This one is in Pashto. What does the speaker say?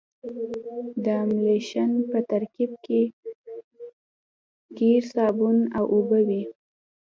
د املشن په ترکیب کې قیر صابون او اوبه وي